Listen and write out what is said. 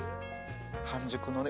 半熟のね